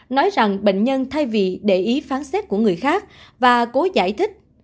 nói rằng bệnh nhân thay vì để ý phán xét của người khác và cố giải thích